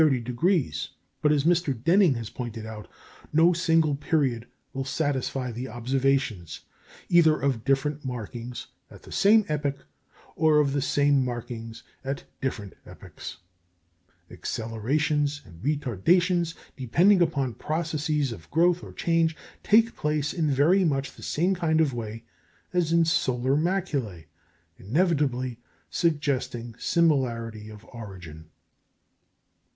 But, as Mr. Denning has pointed out, no single period will satisfy the observations either of different markings at the same epoch, or of the same markings at different epochs. Accelerations and retardations, depending upon processes of growth or change, take place in very much the same kind of way as in solar maculæ, inevitably suggesting similarity of origin.